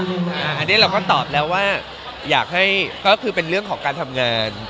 อันนี้เราก็ตอบแล้วว่าอยากให้ก็คือเป็นเรื่องของการทำงาน